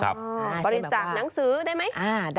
บริจาคหนังสือได้ไหม